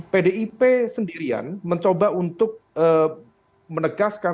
pdip sendirian mencoba untuk menegaskan